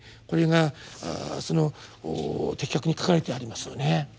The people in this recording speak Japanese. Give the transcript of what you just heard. これが的確に書かれてありますよね。